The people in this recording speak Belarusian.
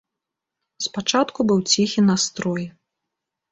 Спачатку быў ціхі настрой.